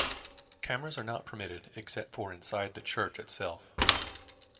Cameras are not permitted except for inside the church itself.